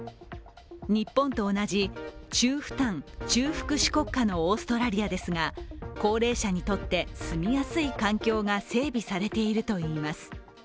日本と同じ中負担・中福祉国家のオーストラリアですが、高齢者にとって住みやすい環境が整備されているといいます。